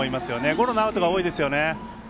ゴロのアウトが多いですね。